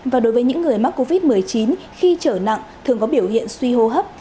và đối với những người mắc covid một mươi chín khi trở nặng thường có biểu hiện suy hô hấp